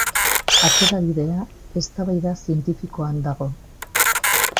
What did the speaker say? Aterabidea eztabaida zientifikoan dago.